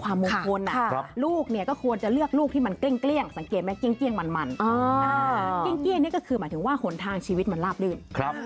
เกลี้ยงมันเกลี้ยงนี่ก็คือหมายถึงว่าขนทางชีวิตมันราบลื่น